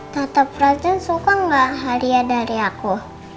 tante frozen suka gak hadiah dari aku